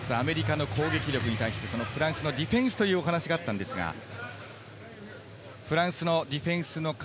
アメリカの攻撃力に対してフランスのディフェンスという話があったんですが、フランスのディフェンスの要。